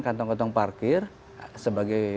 kantong kantong parkir sebagai